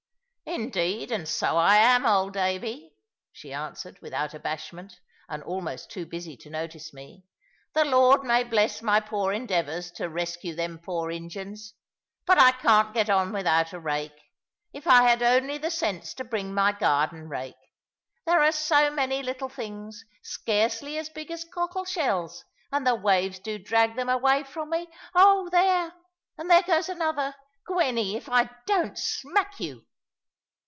"Indeed, and so I am, old Davy," she answered, without abashment, and almost too busy to notice me; "the Lord may bless my poor endeavours to rescue them poor Injuns. But I can't get on without a rake. If I had only had the sense to bring my garden rake. There are so many little things, scarcely as big as cockleshells; and the waves do drag them away from me. Oh, there, and there goes another! Gwenny, if I don't smack you!"